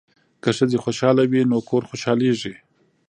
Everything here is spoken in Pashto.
که ښځې خوشحاله وي نو کور خوشحالیږي.